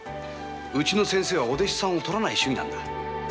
うちの先生はお弟子さんを取らない主義なんだ。